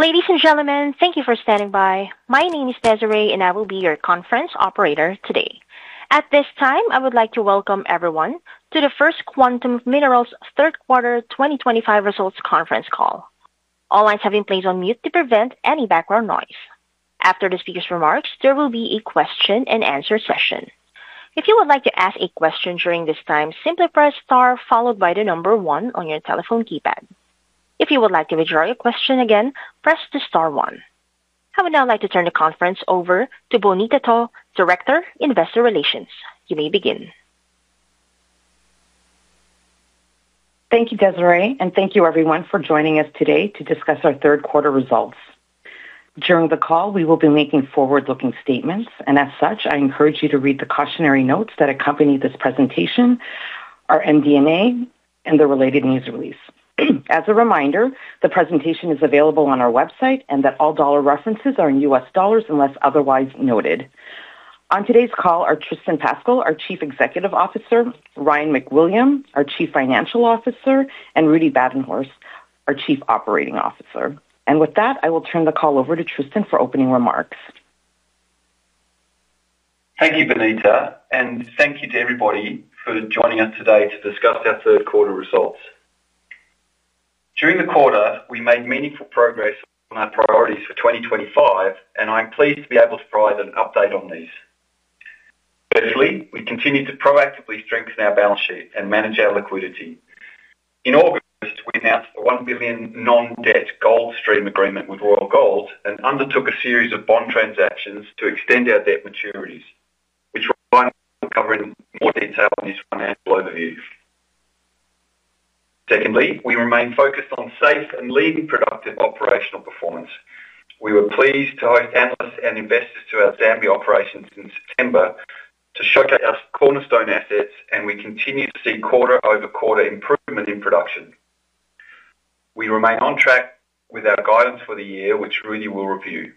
Ladies and gentlemen, thank you for standing by. My name is Desiree and I will be your conference operator today. At this time I would like to Welcome everyone to the First Quantum Minerals third quarter 2025 results conference call. All lines have been placed on mute to prevent any background noise. After the speaker's remarks, there will be a question and answer session. If you would like to ask a question during this time, simply press star followed by the number one on your telephone keypad. If you would like to withdraw your question, again press the star one. I would now like to turn the conference over to Bonita To, Director of Investor Relations. You may begin. Thank you, Desiree. Thank you, everyone, for joining us today to discuss our third quarter results. During the call, we will be making forward-looking statements, and as such, I encourage you to read the cautionary notes that accompany this presentation, our MD&A, and the related news release. As a reminder, the presentation is available on our website and all dollar references are in US dollars unless otherwise noted. On today's call are Tristan Pascall, our Chief Executive Officer, Ryan MacWilliam, our Chief Financial Officer, and Rudi Badenhorst, our Chief Operating Officer. With that, I will turn the call over to Tristan for opening remarks. Thank you Bonita and thank you to everybody for joining us today to discuss our third quarter results. During the quarter we made meaningful progress on our priorities for 2025 and I'm pleased to be able to provide an update on these. Firstly, we continue to proactively strengthen our balance sheet and manage our liquidity. In August we announced a $1 billion non-debt gold stream agreement with Royal Gold and undertook a series of bond transactions to extend our debt maturities, which Ryan will cover in more detail in his financial overview. Secondly, we remain focused on safe and leading productive operational performance. We were pleased to host analysts and investors to our Zambia operations in September to showcase cornerstone assets and we continue to see quarter-over-quarter improvement in production. We remain on track with our guidance for the year, which Rudi will review.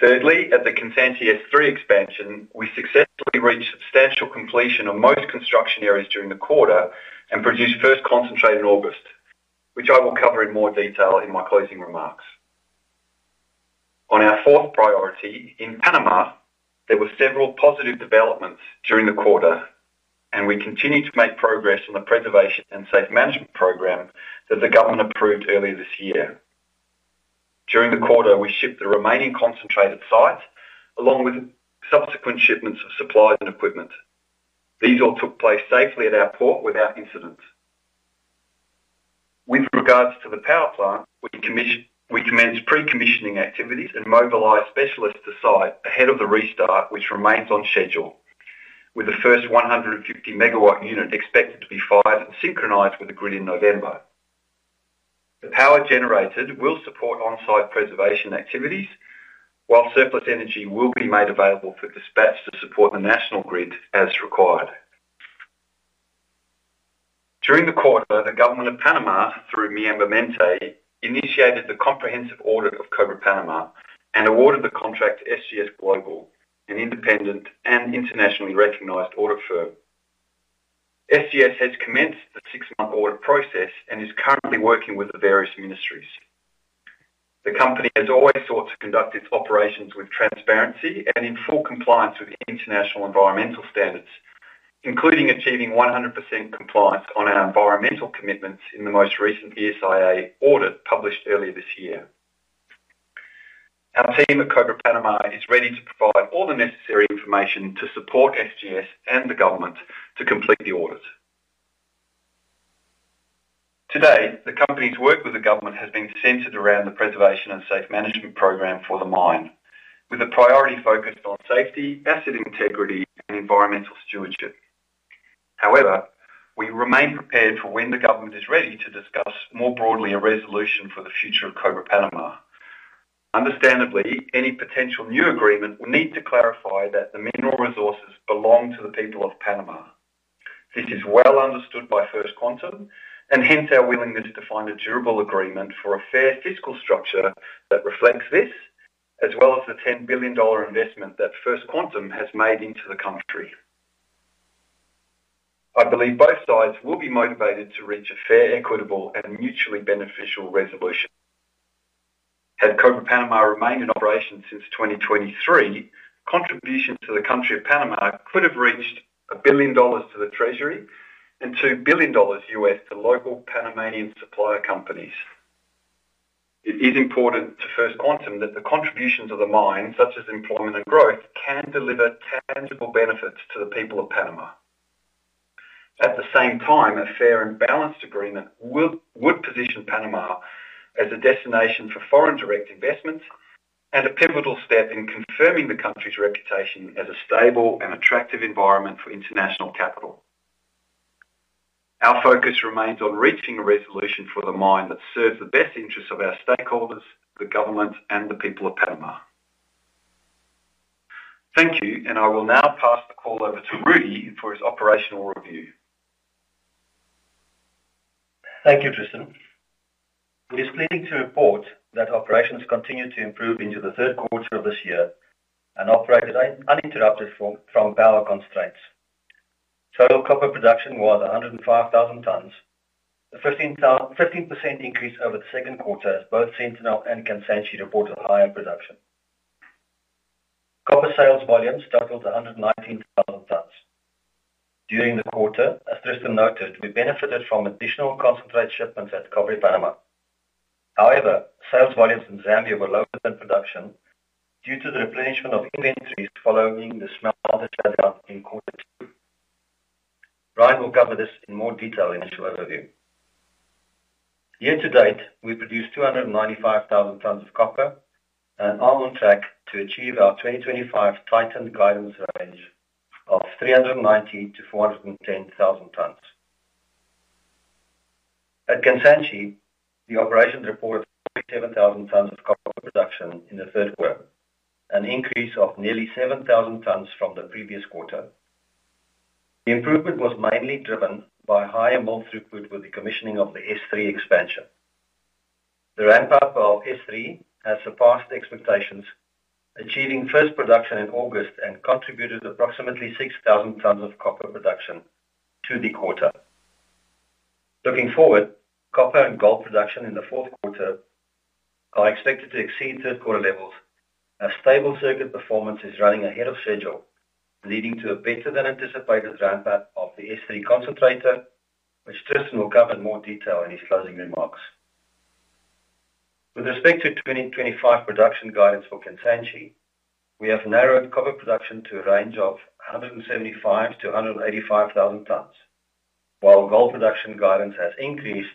Thirdly, at the Kansanshi S3 Expansion, we successfully reached substantial completion of most construction areas during the quarter and produced first concentrate in August, which I will cover in more detail in my closing remarks. On our fourth priority in Panama, there were several positive developments during the quarter and we continue to make progress on the preservation and safe management program that the government approved earlier this year. During the quarter we shipped the remaining concentrate at site along with subsequent shipments of supplies and equipment. These all took place safely at our port without incident. With regards to the power plant, we commenced pre-commissioning activities and mobilized specialists to site ahead of the restart, which remains on schedule, with the first 150 MW unit expected to be fired and synchronized with the grid in November. The power generated will support on-site preservation activities while surplus energy will be made available for dispatch to support the national grid as required. During the quarter, the Government of Panama, through MiAmbiente, initiated the comprehensive audit of Cobre Panama and awarded the contract to SGS Global, an independent and internationally recognized audit firm. SGS has commenced the six-month audit process and is currently working with the various ministries. The company has always sought to conduct its operations with transparency and in full compliance with international environmental standards, including achieving 100% compliance on our environmental commitments in the most recent ESIA audit published earlier this year. Our team at Cobre Panama is ready to provide all the necessary information to support SGS and the government to complete the audit. Today. The company's work with the government has been centered around the preservation and safe management program for the mine, with a priority focused on safety, asset integrity, and environmental stewardship. However, we remain prepared for when the government is ready to discuss more broadly a resolution for the future of Cobre Panama. Understandably, any potential new agreement will need to clarify that the mineral resources belong to the people of Panama. This is well understood by First Quantum and hence our willingness to find a durable agreement for a fair fiscal structure that reflects this, as well as the $10 billion investment that First Quantum has made into the country. I believe both sides will be motivated to reach a fair, equitable, and mutually beneficial resolution. Had Cobre Panama remained in operation since 2023, contributions to the country of Panama could have reached $1 billion to the treasury and $2 billion to local Panamanian supplier companies. It is important to First Quantum that the contributions of the mine, such as employment and growth, can deliver tangible benefits to the people of Panama. At the same time, a fair and balanced agreement would position Panama as a destination for foreign direct investment and a pivotal step in confirming the country's reputation as a stable and attractive environment for international capital. Our focus remains on reaching a resolution for the mine that serves the best interests of our stakeholders, the government, and the people of Panama. Thank you. I will now pass the call over to Rudi for his operational review. Thank you, Tristan. It is pleasing to report that operations continued to improve into the third quarter of this year and operated uninterrupted from power constraints. Total copper production was 105,000 tonnes, a 15% increase over the second quarter, as both Sentinel and Kansanshi reported higher production. Copper sales volumes totaled 119,000 tonnes during the quarter. As Tristan noted, we benefited from additional concentrate shipments at Cobre Panama. However, sales volumes in Zambia were lower than production due to the replenishment of inventories following the smelter shutdown in quarter two. Ryan will cover this in more detail. Initial overview: year to date we produced 295,000 tonnes of copper and are on track to achieve our 2025 tightened guidance range of 390,000 tonnes-410,000 tonnes. At Kansanshi. The operation reported 47,000 tonnes of copper production in the third quarter, an increase of nearly 7,000 tonnes from the previous quarter. The improvement was mainly driven by higher mill throughput with the commissioning of the S3 Expansion. The ramp up of S3 has surpassed expectations, achieving first production in August and contributed approximately 6,000 tonnes of copper production to the quarter. Looking forward, copper and gold production in the fourth quarter are expected to exceed third quarter levels as stable circuit performance is running ahead of schedule, leading to a better than anticipated ramp up of the S3 concentrator, which Tristan will cover in more detail in his closing remarks. With respect to 2025 production guidance for Kansanshi, we have narrowed copper production to a range of 175,000 tonnes-185,000 tonnes while gold production guidance has increased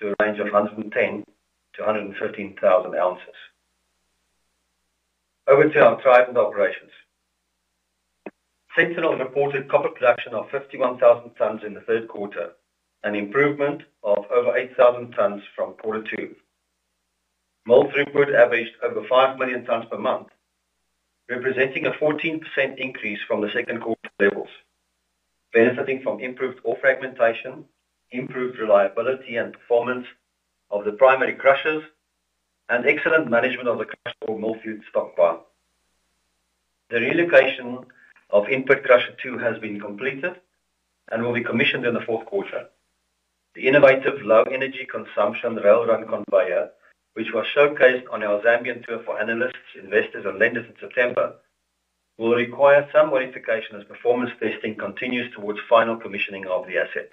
to a range of 110,000 ounces-115,000 ounces. Over to our Trident operations, Sentinel reported copper production of 51,000 tonnes in the third quarter, an improvement of over 8,000 tonnes from quarter two. Mill throughput averaged over 5 million tonnes per month, representing a 14% increase from the second quarter levels, benefiting from improved ore fragmentation, improved reliability and performance of the primary crushers and excellent management of the crushed ore mill. Feeder stockpile, the relocation of In-Pit Crusher 2 has been completed and will be commissioned in the fourth quarter. The innovative low energy consumption rail-run conveyor, which was showcased on our Zambian tour for analysts, investors, and lenders in September, will require some modification as performance testing continues towards final commissioning of the asset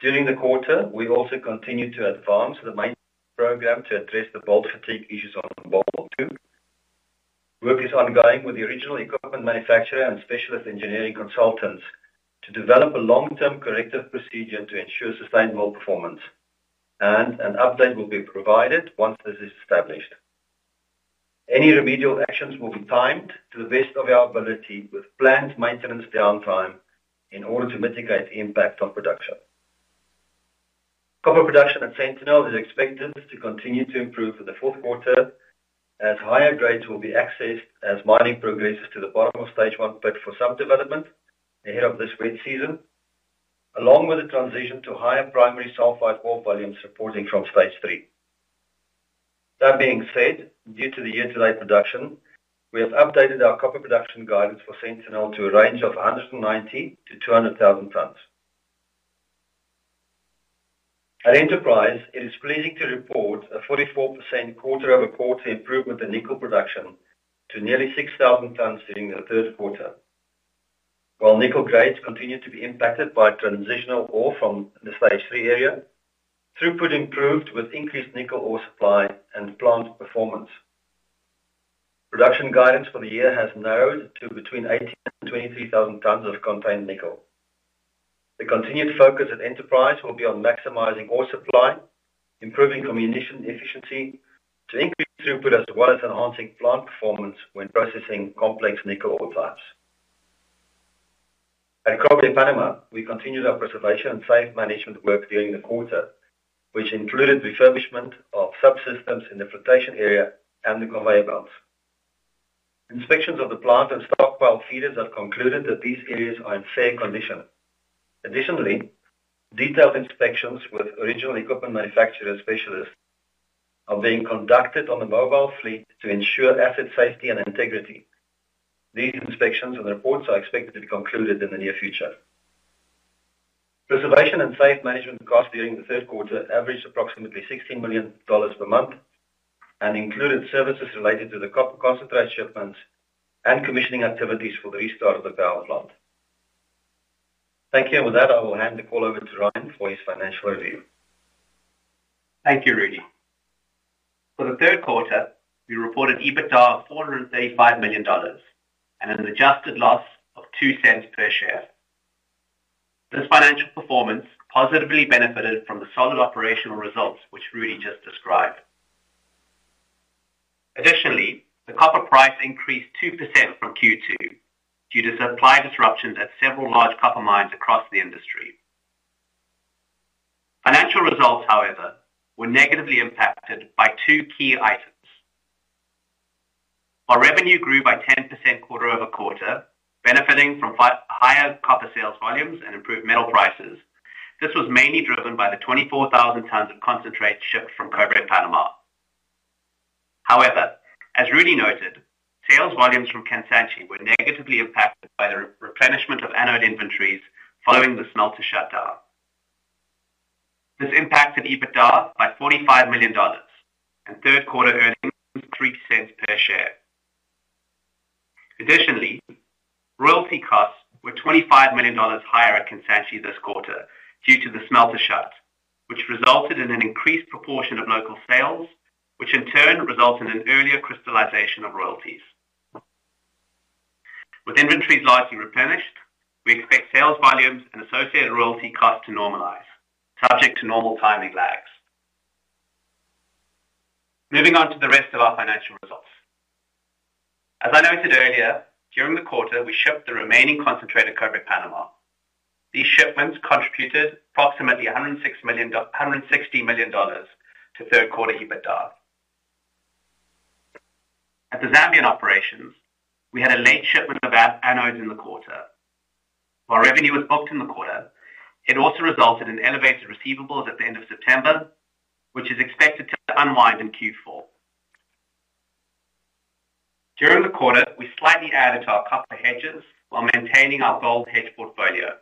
during the quarter. We also continued to advance the maintenance program to address the bolt fatigue issues on Ball Mill 2. Work is ongoing with the original equipment manufacturer and specialist engineering consultants to develop a long-term corrective procedure to ensure sustained bolt performance, and an update will be provided once this is established. Any remedial actions will be timed to the best of our ability with planned maintenance downtime in order to mitigate the impact on production. Copper production at Sentinel is expected to continue to improve for the fourth quarter as higher grades will be accessed as mining progresses to the bottom of Stage 1 pit for sub-development ahead of this wet season, along with the transition to higher primary sulphide ore volumes reporting from Stage 3. That being said, due to the year-to-date production, we have updated our copper production guidance for Sentinel to a range of 190,000 tonnes-200,000 tonnes. At Enterprise, it is pleasing to report a 44% quarter-over-quarter improvement in nickel production to nearly 6,000 tonnes during the third quarter. While nickel grades continue to be impacted by transitional ore from the Stage 3 area, throughput improved with increased nickel ore supply and plant performance. Production guidance for the year has narrowed to between 18,000 tonnes and 23,000 tonnes of contained nickel. The continued focus at Enterprise will be on maximizing ore supply, improving communication efficiency to increase throughput, as well as enhancing plant performance when processing complex nickel ore types. At Cobre Panama, we continued our preservation and safe management work during the quarter, which included refurbishment of subsystems in the flotation area and the conveyor belt. Inspections of the plant and stockpile feeders have concluded that these areas are in fair condition. Additionally, detailed inspections with original equipment manufacturer specialists are being conducted on the mobile fleet to ensure asset safety and integrity. These inspections and reports are expected to be concluded in the near future. Preservation and safe management costs during the third quarter averaged approximately $16 million per month and included services related to the copper concentrate shipments and commissioning activities for the restart of the power plant. Thank you, and with that I will hand the call over to Ryan for his financial review. Thank you, Rudi. For the third quarter, we reported EBITDA of $435 million and an adjusted loss of $0.02 per share. This financial performance positively benefited from the solid operational results which Rudi just described. Additionally, the copper price increased 2% from Q2 due to supply disruptions at several large copper mines across the industry. Financial results, however, were negatively impacted by two key items. While revenue grew by 10% quarter-over-quarter, benefiting from higher copper sales volumes and improved metal prices, this was mainly driven by the 24,000 tonnes of concentrate shipped from Cobre Panama. However, as Rudi noted, sales volumes from Kansanshi were negatively impacted by the replenishment of anode inventories following the smelter shutdown. This impacted EBITDA by $45 million and third quarter earnings $0.03 per share. Additionally, royalty costs were $25 million higher at Kansanshi this quarter due to the smelter shut, which resulted in an increased proportion of local sales, which in turn resulted in earlier crystallization of royalties. With inventories largely replenished, we expect sales volumes and associated royalty costs to normalize subject to normal timing lags. Moving on to the rest of our financial results, as I noted earlier, during the quarter we shipped the remaining concentrate at Cobre Panama. These shipments contributed approximately $160 million to third quarter EBITDA. At the Zambian operations we had a late shipment of anodes in the quarter while revenue was booked in the quarter. It also resulted in elevated receivables at the end of September, which is expected to unwind in Q4. During the quarter we slightly added to our copper hedges while maintaining our gold hedge portfolio.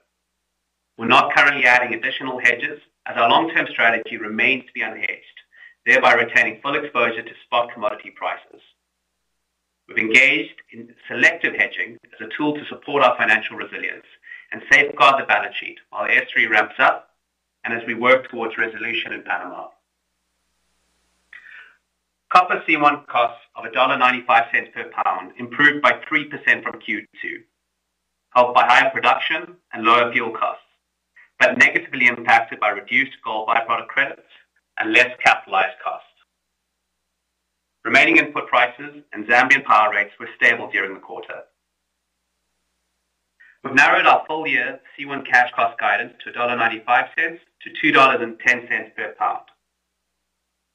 We're not currently adding additional hedges as our long term strategy remains to be unhedged, thereby retaining full exposure to spot commodity prices. We've engaged in selective hedging as a tool to support our financial resilience and safeguard the balance sheet while S3 ramps up and as we work towards resolution in Panama. Copper C1 costs of $1.95 per pound improved by 3% from Q2, helped by higher production and lower fuel costs but negatively impacted by reduced gold byproduct credits and less capitalized costs. Remaining input prices and Zambian power rates were stable during the quarter. We've narrowed our full year C1 cash cost guidance to $1.95-$2.10 per pound.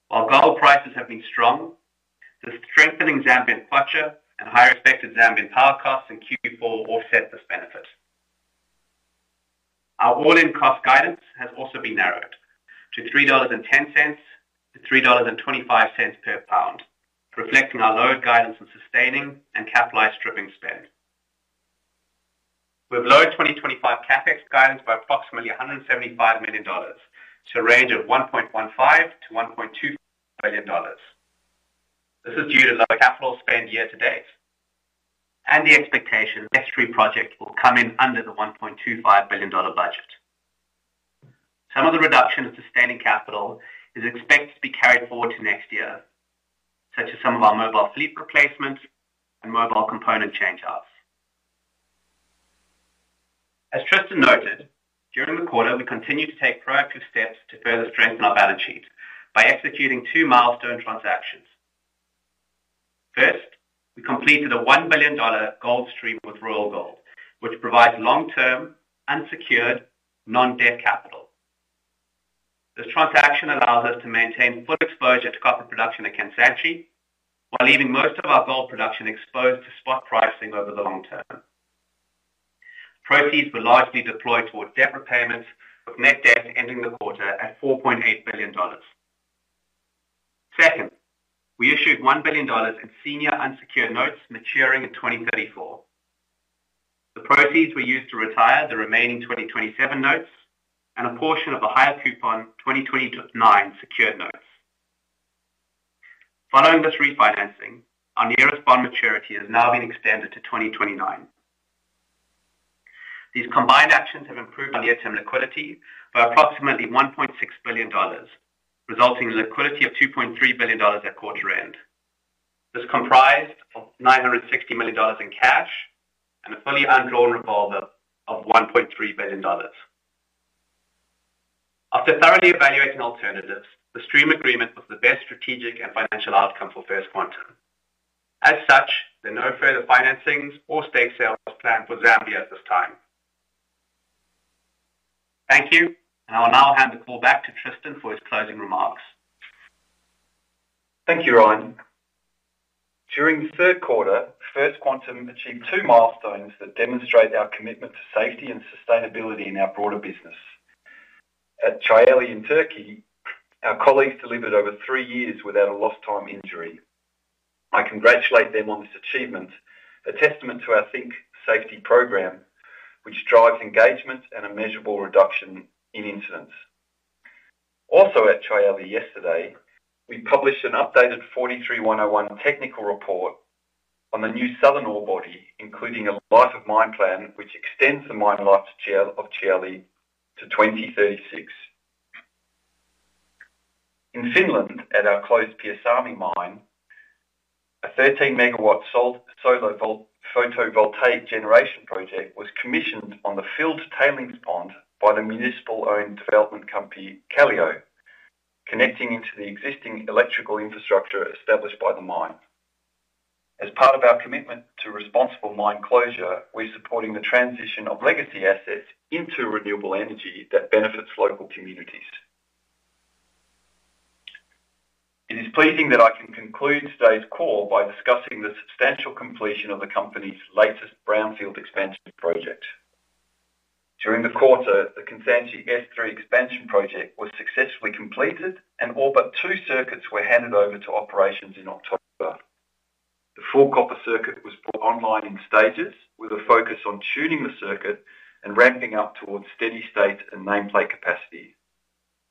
While gold prices have been strong, the strengthening Zambian Kwacha and high expected Zambian power costs in Q4 offset this benefit. Our all-in cost guidance has also been narrowed to $3.10-$3.25 per pound, reflecting our lowered guidance on sustaining and capitalized stripping spend. We've lowered 2025 CapEx guidance by approximately $175 million to a range of $1.15 billion-$1.25 billion. This is due to lower capital spend year to date and the expectation S3 project will come in under the $1.25 billion budget. Some of the reduction in sustaining capital is expected to be carried forward to next year, such as some of our mobile fleet replacements and mobile component change outs. As Tristan noted, during the quarter we continue to take proactive steps to further strengthen our balance sheet by executing two milestone transactions. First, we completed a $1 billion gold stream with Royal Gold, which provides long term unsecured non-debt capital. This transaction allows us to maintain full exposure to copper production at Kansanshi while leaving most of our gold production exposed to spot pricing. Over the long term, proceeds were largely deployed towards debt repayments with net debt ending the quarter at $4.8 billion. Second, we issued $1 billion in senior unsecured notes maturing in 2034. The proceeds were used to retire the remaining 2027 notes and a portion of the higher coupon 2029 secured notes. Following this refinancing, our nearest bond maturity has now been extended to 2029. These combined actions have improved near term liquidity by approximately $1.6 billion, resulting in liquidity of $2.3 billion at quarter end. This comprised of $960 million in cash and a fully undrawn revolver of $1.3 billion. After thoroughly evaluating alternatives, the stream agreement was the best strategic and financial outcome for First Quantum. As such, there are no further financings or stake sales planned for Zambia at this time. Thank you and I will now hand the call back to Tristan for his closing remarks. Thank you, Ryan. During the third quarter, First Quantum achieved two milestones that demonstrate our commitment to safety and sustainability in our broader business. At Çayeli in Turkey, our colleagues delivered over three years without a lost time injury. I congratulate them on this achievement, a testament to our Think Safety program, which drives engagement and a measurable reduction in incidents. Also at Çayeli, yesterday we published an updated 43-101 Technical Report on the new southern ore body, including a life of mine plan which extends the mine life of Çayeli to 2036. In Finland, at our closed Pyhäsalmi mine, a 13 MW solar photovoltaic generation project was commissioned on the field tailings pond by the municipal-owned development company Callio, connecting into the existing electrical infrastructure established by the mine. As part of our commitment to responsible mine closure, we're supporting the transition of legacy assets into renewable energy that benefits local communities. It is pleasing that I can conclude today's call by discussing the substantial completion of the company's latest brownfield expansion project. During the quarter, the Kansanshi S3 Expansion project was successfully completed and all but two circuits were handed over to operations. In October, the full copper circuit was brought online in stages with a focus on tuning the circuit and ramping up towards steady state and nameplate capacity.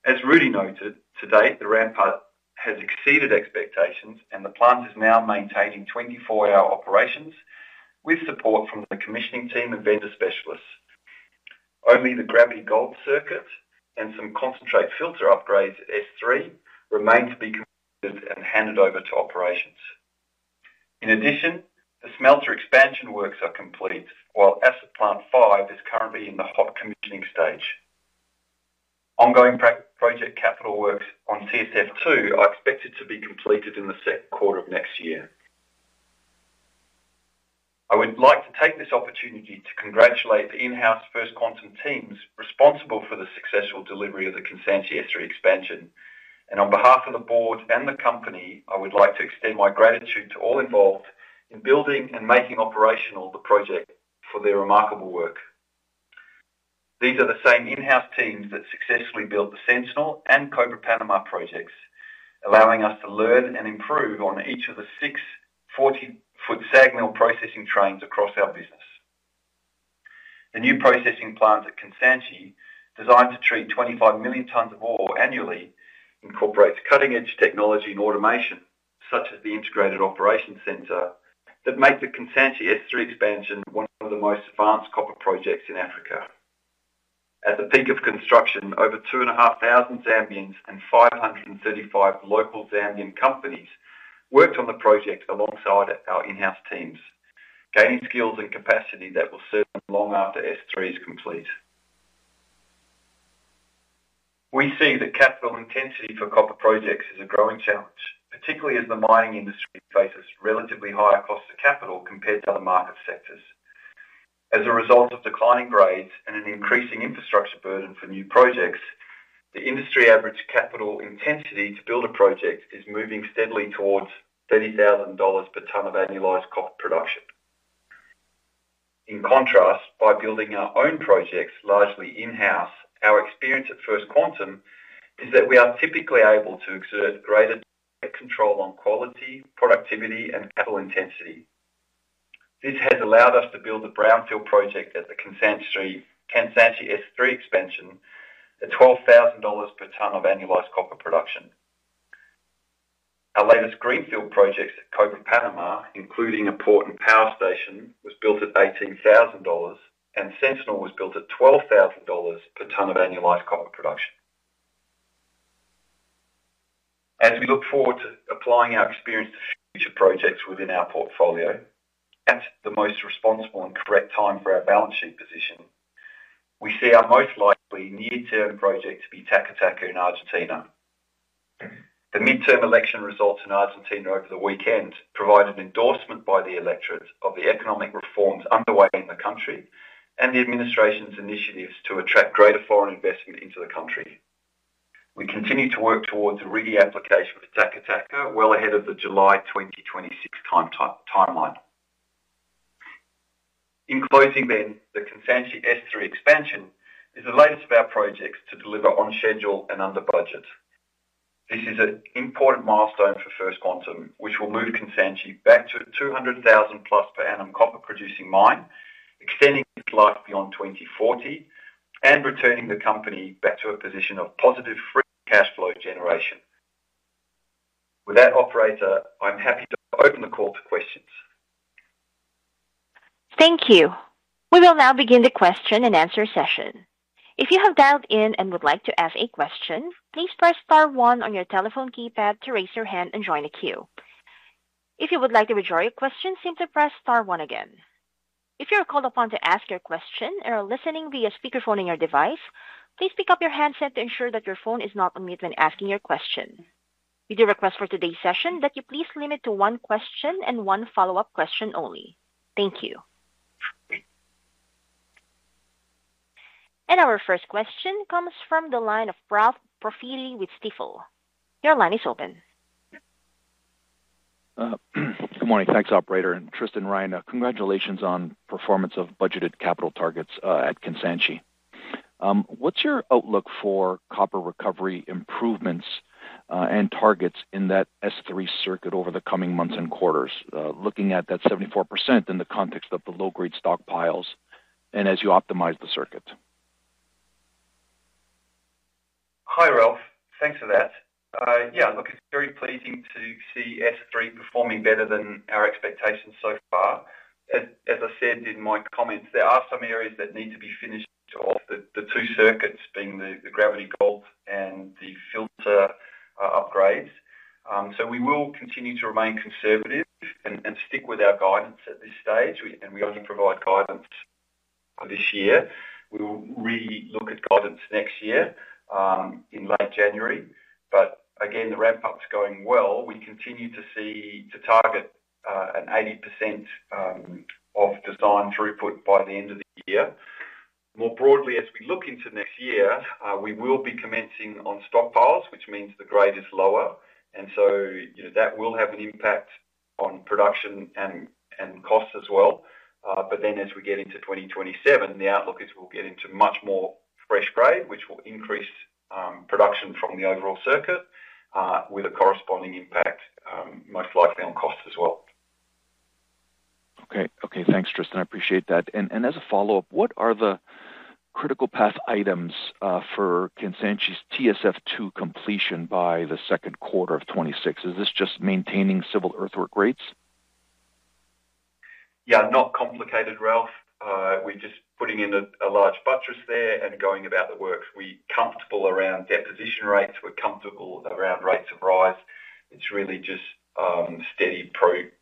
As Rudi noted, to date the ramp-up has exceeded expectations and the plant is now maintaining 24 hour operations with support from the commissioning team and vendor specialists. Only the gravity gold circuit and some concentrate filter upgrades at S3 remain to be completed and handed over to operations. In addition, the smelter expansion works are complete while acid plant 5 is currently in the hot commissioning stage. Ongoing project capital works on TSF2 are expected to be completed in the second quarter of next year. I would like to take this opportunity to congratulate the in-house First Quantum teams responsible for the successful delivery of the Kansanshi S3 Expansion and, on behalf of the board and the company, I would like to extend my gratitude to all involved in building and making operational the project for their remarkable work. These are the same in-house teams that successfully built the Sentinel and Cobre Panama projects, allowing us to learn and improve on each of the six [40-foot SAG] mill processing trains across our business. The new processing plant at Kansanshi, designed to treat 25 million tonnes of ore annually, incorporates cutting-edge technology and automation such as the integrated operations center that make the Kansanshi S3 Expansion one of the most advanced copper projects in Africa. At the peak of construction, over 2,500 Zambians and 535 local Zambian companies worked on the project alongside our in-house teams, gaining skills and capacity that will serve them long after S3 is complete. We see that capital intensity for copper projects is a growing challenge, particularly as the mining industry faces relatively higher cost of capital compared to other market sectors. As a result of declining grades and an increasing infrastructure burden for new projects, the industry average capital intensity to build a project is moving steadily towards $30,000 per tonne of annualized copper production. In contrast, by building our own projects largely in-house, our experience at First Quantum is that we are typically able to exert greater control on quality, productivity, and capital intensity. This has allowed us to build the brownfield project at the Kansanshi S3 expansion at $12,000 per tonne of annualized copper production. Our latest greenfield projects at Cobre Panama, including a port and power station, was built at $18,000 and Sentinel was built at $12,000 per tonne of annualized copper production. As we look forward to applying our experience to future projects within our portfolio at the most responsible and correct time for our balance sheet position, we see our most likely near-term project to be Taca Taca in Argentina. The midterm election results in Argentina over the weekend provide an endorsement by the electorate of the economic reforms underway in the country and the administration's initiatives to attract greater foreign investment into the country. We continue to work towards a ready application for Taca Taca well ahead of the July 2026 timeline. In closing then, the Kansanshi S3 Expansion is the latest of our projects to deliver on schedule and under budget. This is an important milestone for First Quantum which will move Kansanshi back to a 200,000+ per annum copper producing mine, extending its life beyond 2040 and returning the company back to a position of positive free cash flow generation. With that, operator, I'm happy to open the call to questions. Thank you. We will now begin the question and answer session. If you have dialed in and would like to ask a question, please press star one on your telephone keypad to raise your hand and join the queue. If you would like to withdraw your question, simply press star one again. If you are called upon to ask your question and are listening via speakerphone on your device, please pick up your handset to ensure that your phone is not on mute when asking your question. We do request for today's session that you please limit to one question and one follow up question only. Thank you. Our first question comes from the line of Ralph Profiti with Stifel. Your line is open. Good morning. Thanks, operator. Tristan, Ryan, congratulations on performance of. Budgeted capital targets at Kansanshi. What's your outlook for copper recovery improvements and targets in that S3 circuit over the coming months and quarters? Looking at that 74% in the context of the low grade stockpiles and as you optimize the circuit. Hi Ralph, thanks for that. Yeah, it's very pleasing to see S3 performing better than our expectations so far. As I said in my comments, there are some areas that need to be finished off, the two circuits being the gravity bolt and the filter upgrades. We will continue to remain conservative and stick with our guidance at this stage, and we only provide guidance this year. We will relook at guidance next year in late January. Again, the ramp up is going well. We continue to see to target an 80% of design throughput by the end of the year. More broadly, as we look into next year, we will be commencing on stockpiles, which means the grade is lower, and that will have an impact on production and costs as well. As we get into 2027, the outlook is we'll get into much more fresh grade, which will increase production from the overall circuit with a corresponding impact most likely on cost as well. Okay, thanks Tristan. I appreciate that. As a follow up, what are the critical path items for Kansanshi's TSF2 completion by 2Q 2026? Is this just maintaining civil earthwork rates? Yeah, not complicated, Ralph. We're just putting in a large buttress there and going about the works. We're comfortable around deposition rates. We're comfortable around rates of rise. It's really just steady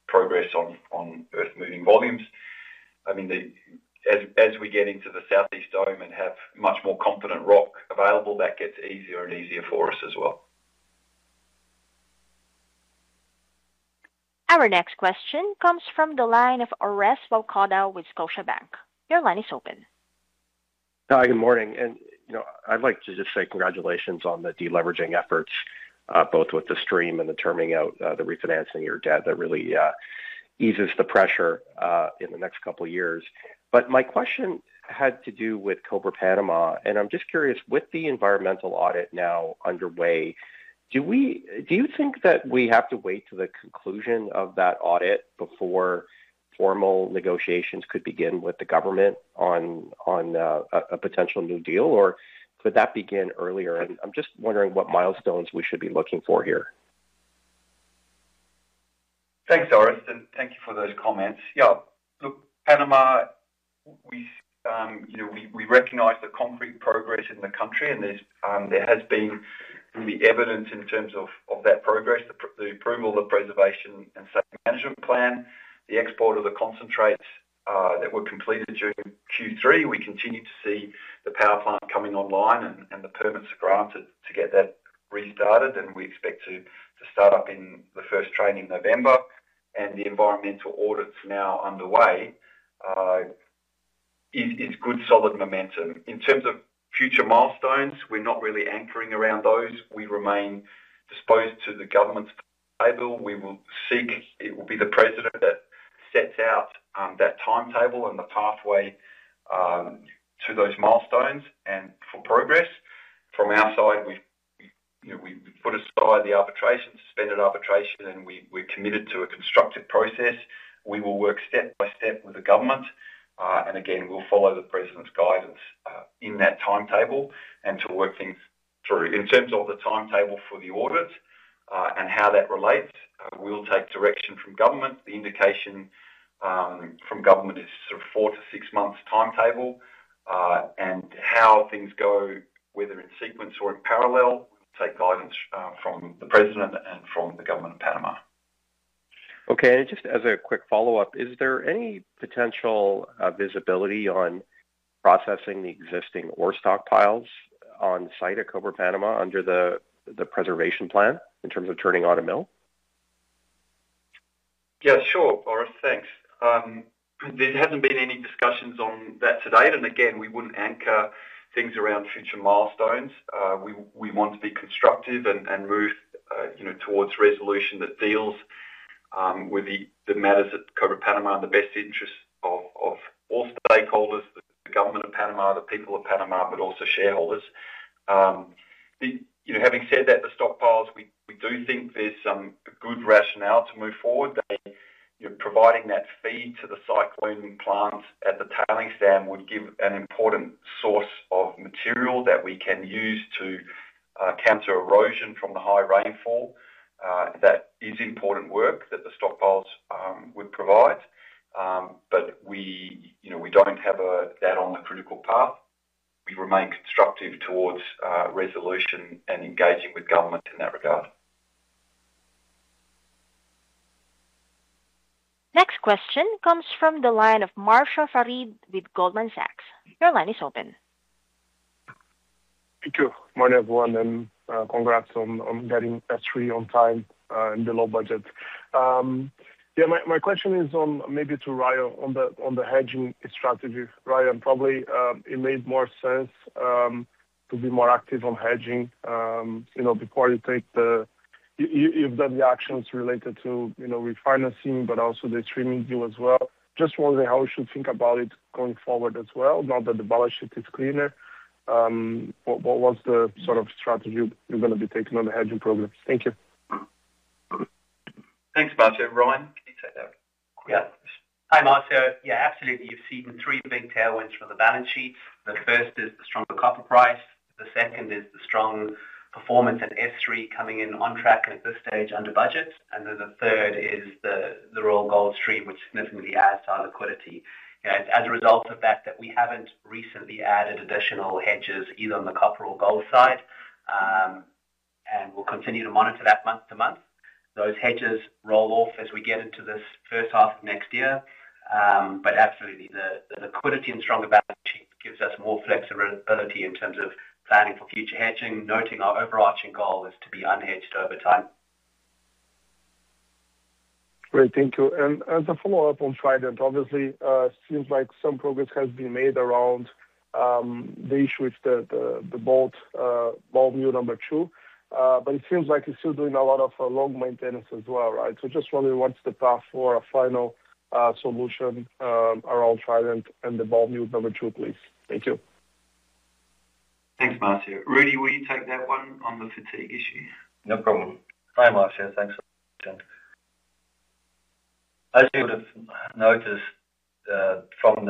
progress on earth moving volumes. As we get into the South East Dome and have much more confident rock available, that gets easier and easier for us as well. Our next question comes from the line of Orest Wowkodaw with Scotiabank. Your line is open. Hi, good morning. I'd like to just say congratulations on the deleveraging efforts both with the stream and terming out the refinancing of your debt. That really eases the pressure in the next couple of years. My question had to do with Cobre Panama. I'm just curious, with the environmental audit now underway, do you think that we have to wait for the conclusion of that audit before formal negotiations could begin with the government on a potential new deal, or could that begin earlier? I'm just wondering what milestones we should be looking for here. Thanks, Orest. Thank you for those comments. Yeah, look, Panama. We recognize the concrete progress in the country, and there has been the evidence in terms of that progress, the approval of the preservation and safety management plan, the export of the concentrates that were completed during Q3. We continue to see the power plant coming online and the permits granted to get that restarted. We expect to start up in the first train in November. The environmental audit now underway is good, solid momentum in terms of future milestones. We're not really anchoring around those. We remain disposed to the government's table. It will be the President that sets out that timetable and the pathway to those milestones and for progress from our side. We put aside the arbitration, suspended arbitration, and we're committed to a constructive process. We will work step by step with the government, and again we'll follow the President's guidance in that timetable and to work things through in terms of the timetable for the audit and how that relates. We'll take direction from government. The indication from government is four to six months timetable and how things go, whether in sequence or in parallel. We'll take guidance from the President and from the Government of Panama. Okay, and just as a quick follow. Is there any potential visibility on processing the existing ore stockpiles on site at Cobre Panama under the preservation plan in terms of turning on a mill? Yes, sure, Orest, thanks. There hasn't been any discussions on that to date. We wouldn't anchor things around future milestones. We want to be constructive and move towards resolution that deals with the matters at Cobre Panama in the best interest of all stakeholders, the Government of Panama, the people of Panama, but also shareholders. Having said that, the stockpiles, we do think there's some good rationale to move forward. Providing that feed to the cyclone plant at the tailings dam would give an important source of material that we can use to counter erosion from the high rainfall. That is important work that the stockpiles would provide. We don't have that on the critical path. We remain constructive towards resolution and engaging with government in that regard. Next question comes from the line of Marcio Farid with Goldman Sachs. Your line is open. Thank you. Morning everyone. Congrats on getting S3 on time and below budget. My question is maybe to Ryan on the hedging strategy. Ryan, probably it made more sense to be more active on hedging before you take the actions related to refinancing, but also the streaming view as well. Just wondering how we should think about it going forward as well. Now that the balance sheet is cleaner, what was the sort of strategy you're going to be taking on the hedging program? Thank you. Thanks, Marcio. Ryan, can you say that? Yeah. Hi, Marcio. Yeah, absolutely. You've seen three big tailwinds from the balance sheet. The first is the stronger copper price. The second is the strong performance in S3 coming in on track at this stage under budget. The third is the Royal Gold stream, which significantly adds to our liquidity. As a result of that, we haven't recently added additional hedges either on the copper or gold side. We'll continue to monitor that month to month as those hedges roll off as we get into this first half of next year. Absolutely, the liquidity and stronger balance sheet give us more flexibility in terms of planning for future hedging, noting our overarching goal is to be unhedged over time. Great. Thank you. As a follow up on Trident, it obviously seems like some progress has been made around the issue with the Ball Mill number two, but it seems like you're still doing a lot of long maintenance as well. Right. Just wondering what's the path for a final solution around Trident and the Ball Mill number two, please. Thank you. Thanks, Marcio. Rudi, will you take that one on the fatigue issue? No problem. Hi Marcio. Thanks for. As you would have noticed from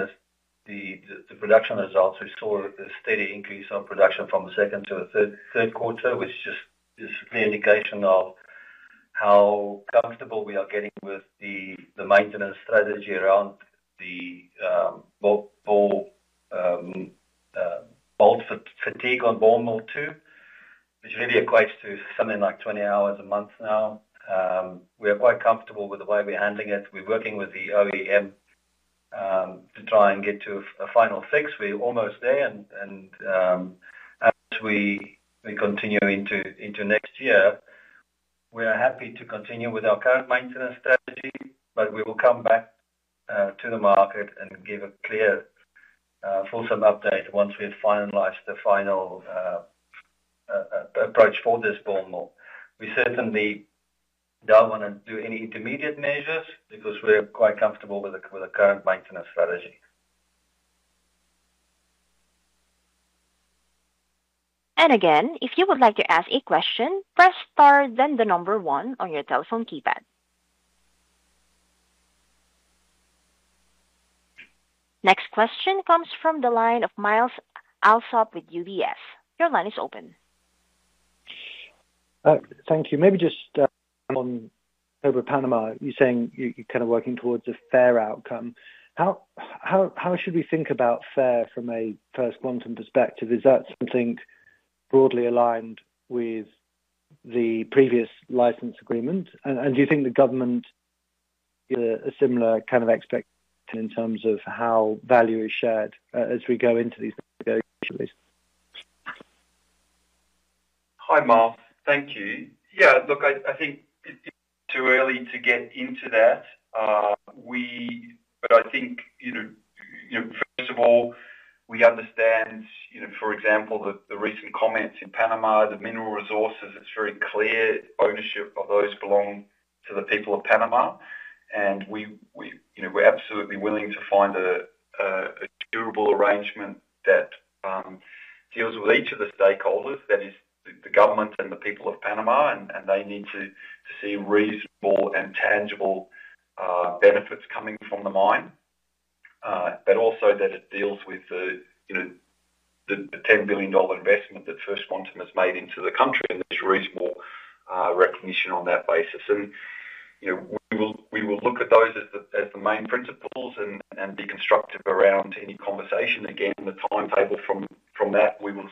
the production results, we saw a steady increase of production from the second to the third quarter, which is a clear indication of how comfortable we are getting with the maintenance strategy around the ball bolt fatigue on Ball Mill 2, which really equates to something like 20 hours a month. Now we are quite comfortable with the way we're handling it. We're working with the OEM to try to get to a final fix. We are almost there. As we continue into next year, we are happy to continue with our current maintenance strategy. We will come back to the market and give a clear, fulsome update once we have finalized the final approach for this. We certainly don't want to do any intermediate measures because we're quite comfortable with the current maintenance strategy. If you would like to ask a question, press star, then the number one on your telephone keypad. The next question comes from the line of Myles Allsop with UBS. Your line is open. Thank you. Maybe just on Cobre Panama, you're saying you're kind of working towards a fair outcome. How should we think about fair from. A First Quantum perspective? Is that something broadly aligned with the previous license agreement? Do you think the government a. Similar kind of expectation in terms of how value is shared as we go into these. Hi, Mark. Thank you. Yeah, look, I think it's too early to get into that. I think first of all we understand, for example, the recent comments in Panama, the mineral resources, it's very clear ownership of those belong to the people of Panama. We're absolutely willing to find a durable arrangement that deals with each of the stakeholders, that is the government and the people of Panama. They need to see reasonable and tangible benefits coming from the mine, but also that it deals with the $10 billion investment that First Quantum has made into the country and there's reasonable recognition on that basis. We will look at those as the main principles and be constructive around any conversation. Again, the timetable, from that we will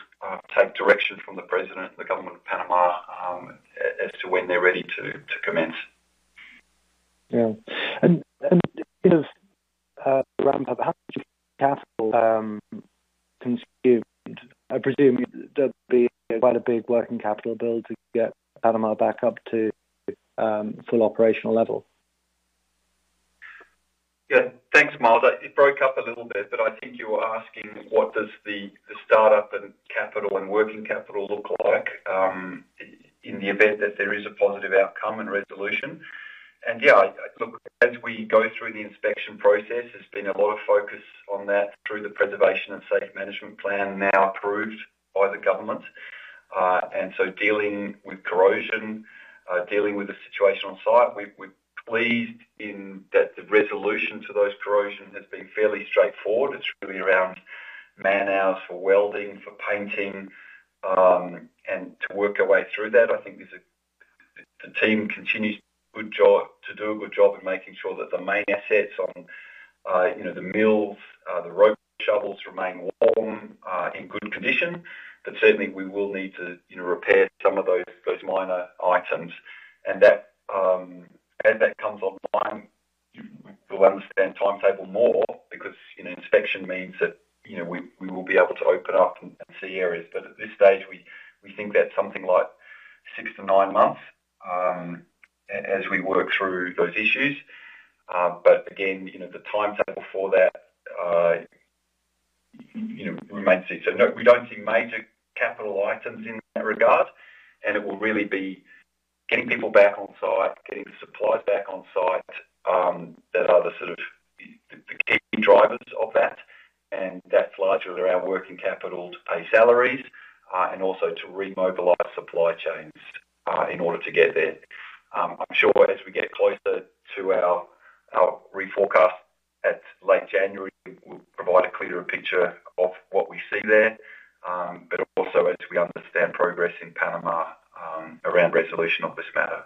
take direction from the President and the Government of Panama as to when they're ready to commence. I presume that would be quite a big working capital build to get Panama. Back up to full operational level. Thanks, Myles. It broke up a little bit, but I think you were asking what does the startup and capital and working capital look like in the event that there is a positive outcome and resolution. As we go through the inspection process, there's been a lot of focus on that through the preservation and safe management plan now approved by the government. Dealing with corrosion, dealing with the situation on site, we're pleased in that the resolution to those corrosion issues has been fairly straightforward. It's really around man hours for welding, for painting, and to work our way through that. I think the team continues to do a good job in making sure that the main assets on the mills, the rope shovels, remain long in good condition. We will need to repair some of those minor items. As that comes online, we'll understand the timetable more because inspection means that we will be able to open up and see areas. At this stage, we think that something like six months to nine months as we work through those issues. The timetable for that we might see. We don't see major capital items in that regard and it will really be getting people back on site, getting supplies back on site that are the key drivers of that. That's largely around working capital to pay salaries and also to remobilize supply chains in order to get there. I'm sure as we get closer to our reforecast at late January, we'll provide a clearer picture of what we see there, also as we understand progress in Panama around resolution of this matter.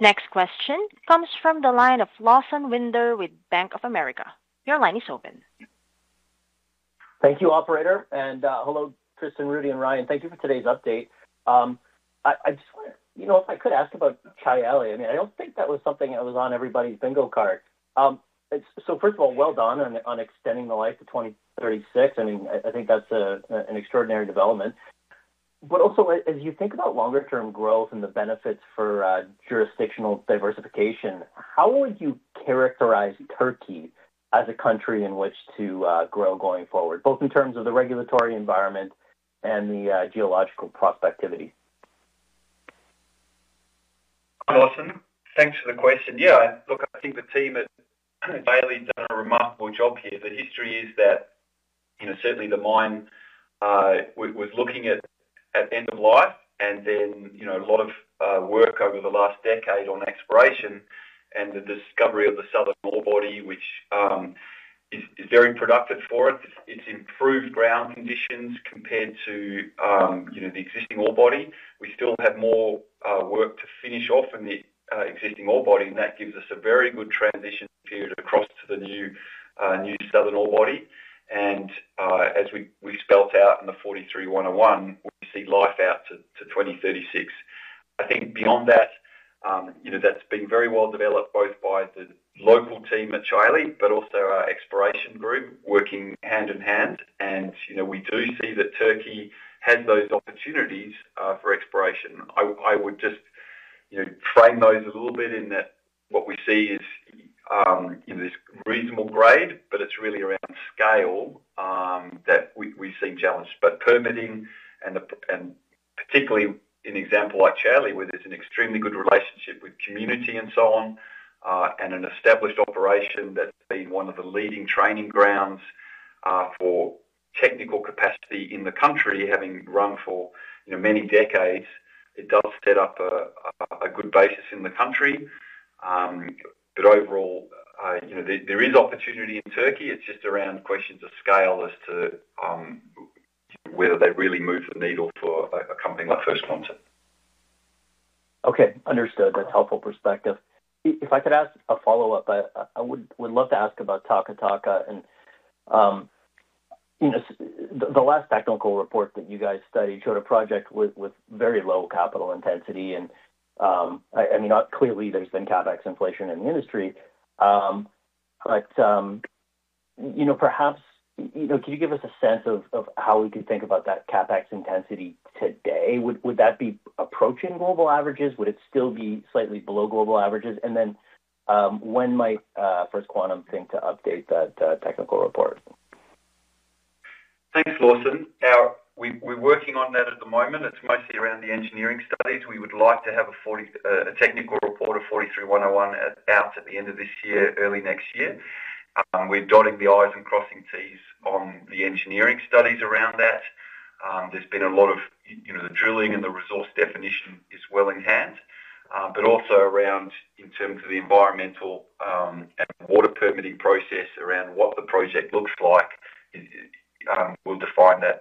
Next question comes from the line of Lawson Winder with Bank of America Securities. Your line is open. Thank you, operator, and hello, Tristan, Rudi, and Ryan, thank you for today's update. I just want to know if I could ask about Çayeli. I mean, I don't think that was something that was on everybody's bingo card. First of all, well done on extending the life to 2036. I think that's an extraordinary development. Also, as you think about longer-term growth and the benefits for jurisdictional diversification, how would you characterize Turkey as a country in which to grow going forward, both in terms of the regulatory environment and the geological prospectivity? Thanks for the question. Yeah, look, I think the team at Çayeli have done a remarkable job here. The history is that certainly the mine was looking at end of life and then a lot of work over the last decade on exploration and the discovery of the southern ore body, which is very productive for us. It's improved ground conditions compared to the existing ore body. We still have more work to finish off in the existing ore body, and that gives us a very good transition period across to the new southern ore body. As we spelled out in the 43-101, we see life out to 2036. I think beyond that, that's been very well developed both by the local team at Turkey, but also our exploration group working hand in hand. You know, we do see that Turkey has those opportunities for exploration. I would just frame those a little bit in that what we see is this reasonable grade, but it's really around scale that we've seen challenged, but permitting. Particularly an example like Çayeli, where there's an extremely good relationship with community and so on and an established operation that's been one of the leading training grounds for technical capacity in the country, having run for many decades. It does set up a good basis in the country. Overall, there is opportunity in Turkey. It's just around questions of scale as to whether they really move the needle for a company like First Quantum Okay, understood. That's helpful perspective. If I could ask a follow up, I would love to ask about Taca Taca. And the last technical report that you guys studied showed a project with very low CapEx intensity. I mean, clearly there's been CapEx inflation in the industry, but perhaps could you give us a sense of how we could think about that CapEx intensity today? Would that be approaching global averages? Would it still be slightly below global averages? When might First Quantum think to update that technical report? Thanks, Lawson. We're working on that at the moment. It's mostly around the engineering studies. We would like to have a technical report of 43-101 out at the end of this year, early next year. We're dotting the I's and crossing T's on the engineering studies around that. There's been a lot of the drilling and the resource definition is well in hand, also in terms of the environmental and water permitting process around what the project looks like. We'll define that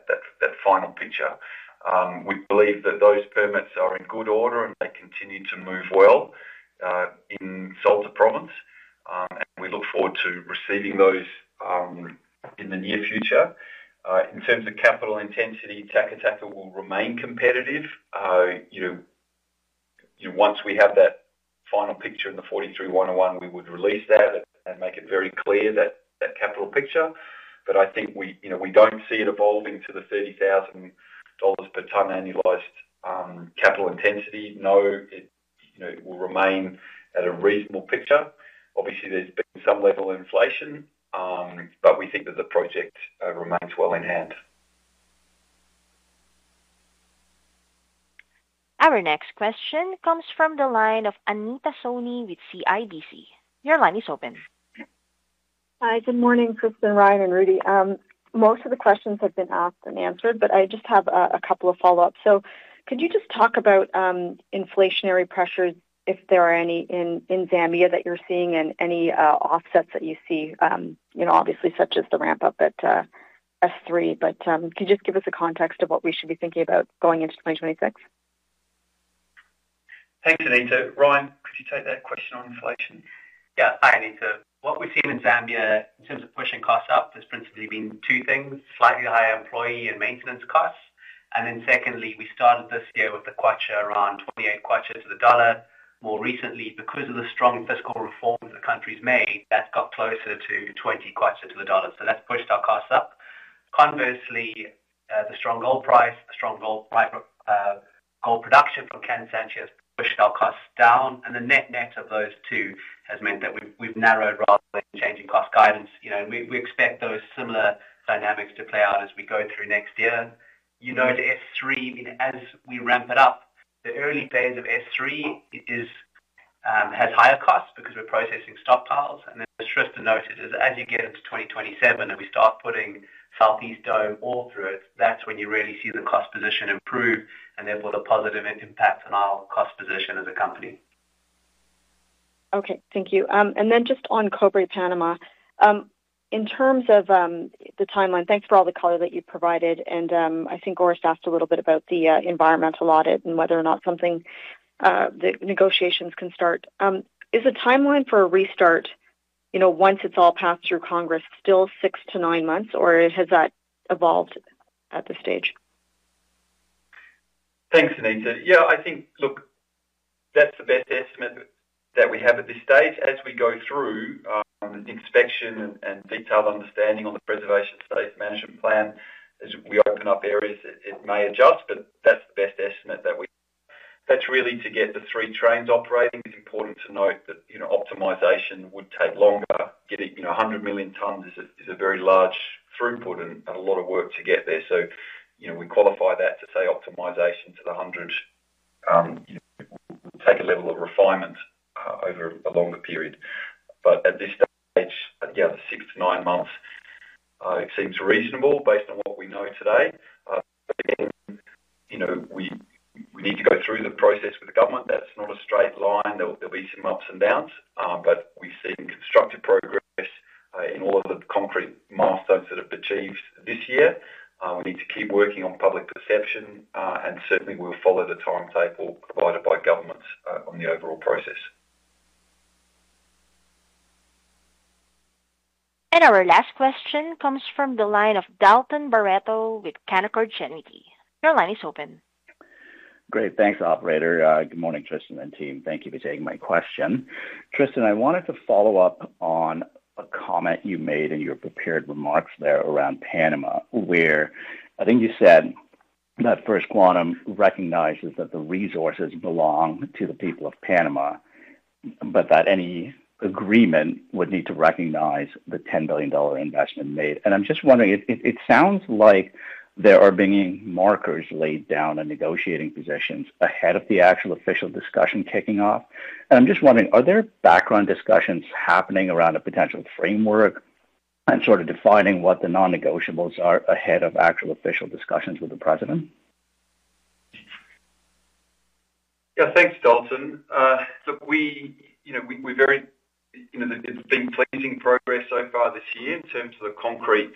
final picture. We believe that those permits are in good order and they continue to move well in Salta Province. We look forward to receiving those in the near future. In terms of capital intensity, Taca Taca will remain competitive. Once we have that final picture in the 43-101, we would release that and make it very clear, that capital picture. I don't see it evolving to the $30,000 per tonne annualized capital intensity. It will remain at a reasonable picture. Obviously, there's been some level of inflation, but we think that the project remains well in hand. Our next question comes from the line of Anita Soni with CIBC. Your line is open. Hi, good morning. Tristan, Ryan and Rudi. Most of the questions have been asked and answered, but I just have a couple of follow ups. Could you just talk about inflationary pressures, if there are any in Zambia that you're seeing, and any offsets that you see, you know, obviously such as the ramp up at S3? Can you just give us a context of what we should be thinking about going into 2026? Thanks. Bonita, Ryan, could you take that question on inflation? Yeah. Hi, Bonita. What we've seen in Zambia in terms of pushing costs up has principally been two things: slightly higher employee and maintenance costs. Then, we started this year with the Kwacha around 28 Kwacha to the dollar. More recently, because of the strong fiscal reforms the country's made, that got closer to 20 Kwacha to the dollar. That's pushed our costs up. Conversely, the strong gold price and the strong gold production from Kansanshi pushed our costs down. The net net of those two has meant that we've narrowed rather than changing cost guidance. We expect those similar dynamics to play out as we go through next year. You know, the S3, as we ramp it up, the early days of S3 has higher costs because we're processing stockpiles. As Tristan noted, as you get into 2027 and we start putting South East Dome ore through it, that's when you really see the cost position improve and therefore the positive impact on our cost position as a company. Okay, thank you. Just on Cobre Panama, in terms of the timeline, thanks for all the color that you provided. I think Orest asked a little bit about the environmental audit and whether or not the negotiations can start. Is the timeline for a restart, once it's all passed through Congress, still six to nine months, or has that evolved at this stage? Thanks, Anita. Yeah, I think, look, that's the best estimate that we have at this stage. As we go through inspection and detailed understanding on the preservation space management plan, as we open up areas, it may adjust, but that's the best estimate that we have. That's really to get the three trains operating. It's important to note that optimization would take longer. Getting 100 million tonnes is a very large throughput and a lot of work to get there. We qualify that to say optimization to the 100 million tonnes would take a level of refinement over a longer period. At this stage, six to nine months seems reasonable based on what we know today. We need to go through the process with the government That's not a straight line. There will be some ups and downs, but we've seen constructive progress in all of the concrete milestones that have been achieved this year. We need to keep working on public perception and certainly we'll follow the timetable provided by governments on the overall process. Our last question comes from the line of Dalton Baretto with Canaccord Genuity. Your line is open. Great, thanks. Good morning Tristan and team. Thank you for taking my question. Tristan, I wanted to follow up on a comment you made in your prepared remarks there around Panama where I think you said that First Quantum recognizes that the resources belong to the people of Panama, but that any agreement would need to recognize the $10 billion investment made. I'm just wondering, it sounds like there are being markers laid down in negotiating positions ahead of the actual official discussion kicking off. I'm just wondering, are there background discussions happening around a potential framework and sort of defining what the non-negotiables are ahead of actual official discussions with the President? Yeah, thanks Dalton. It's been pleasing progress so far this year in terms of the concrete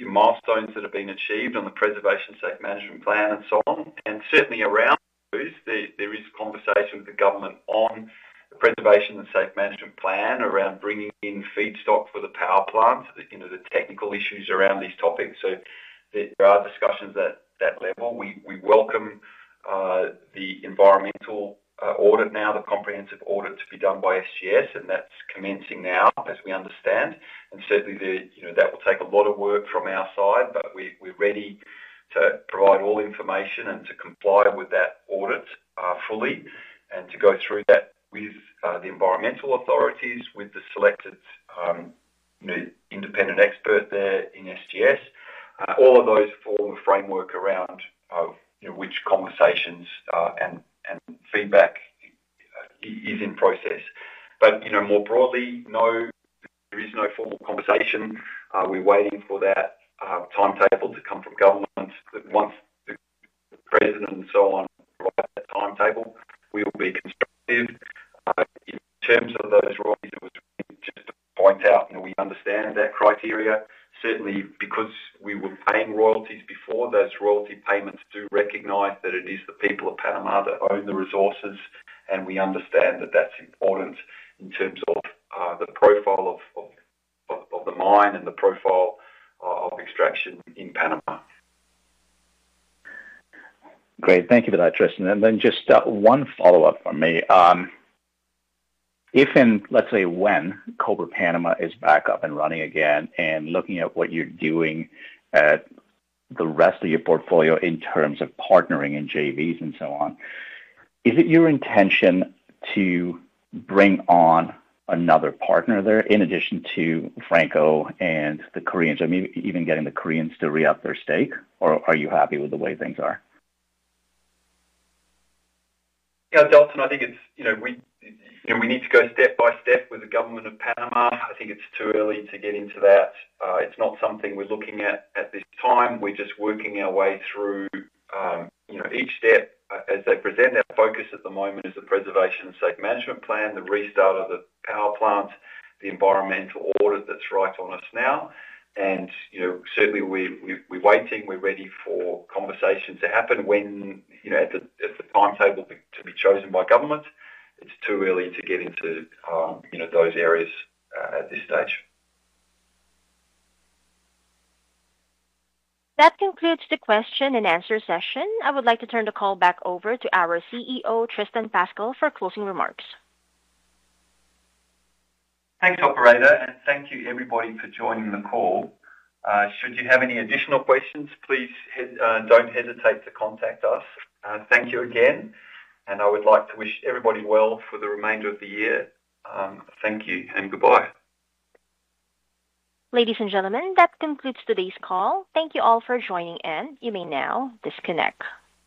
milestones that have been achieved on the preservation sector management plan and so on. Certainly around those there is conversation with the government on the preservation and safe management plan around bringing in feedstock for the power plant, the technical issues around these topics. There are discussions at that level. We welcome the environmental audit now, the comprehensive audit to be done by SGS Global, and that's commencing now as we understand. Certainly that will take a lot of work from our side, but we're ready to provide all information and to comply with that audit fully and to go through that with the environmental authorities, with the selected independent expert there in SGS Global. All of those form a framework around which conversations and feedback is in process. More broadly, no, there is no formal conversation. We're waiting for that timetable to come from government. Once the President and so on provides that timetable, we will be constructive in terms of those royalties. It was just to point out, and we understand that criteria certainly because we were paying royalties before. Those royalty payments do recognize that it is the people of Panama that own the resources, and we understand that that's important in terms of the profile of the mine and the profile of extraction in Panama. Great, thank you for that, Tristan. Just one follow up for me. If, and let's say, when Cobre Panama is back up and running again and looking at what you're doing at the rest of your portfolio in terms of partnering in JVs and so on, is it your intention to bring on another partner there in addition to Franco and the Koreans? I mean even getting the Koreans to re up their stake or are you happy with the way things are? Yeah, Dalton, I think it's, you know, we need to go step by step with the Government of Panama. I think it's too early to get into that. It's not something we're looking at at this time. We're just working our way through each step as they present. Their focus at the moment is the preservation site management plan, the restart of the power plant, the environmental audit. That's right on us now. We're waiting, we're ready for conversations to happen when, you know, at the timetable to be chosen by government. It's too early to get into those areas at this stage. That concludes the question and answer session. I would like to turn the call back over to our CEO Tristan Pascall for closing remarks. Thanks, operator, and thank you everybody for joining the call. Should you have any additional questions, please don't hesitate to contact us. Thank you again, and I would like to wish everybody well for the remainder of the year. Thank you and goodbye. Ladies and gentlemen, that concludes today's call. Thank you all for joining in. You may now disconnect.